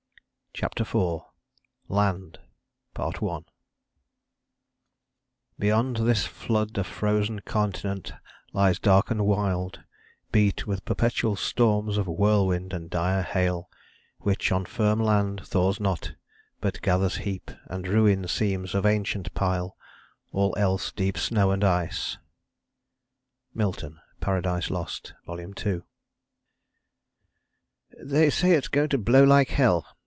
pp. 68, 69. CHAPTER IV LAND Beyond this flood a frozen continent Lies dark and wilde, beat with perpetual storms Of whirlwind and dire hail, which on firm land Thaws not, but gathers heap, and ruin seems Of ancient pile; all else deep snow and ice.... MILTON, Paradise Lost, II. "They say it's going to blow like hell.